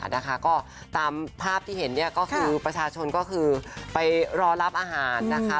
นะคะก็ตามภาพที่เห็นเนี่ยก็คือประชาชนก็คือไปรอรับอาหารนะคะ